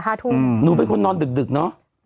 โหนูเป็นคนนอนดึกเนาะ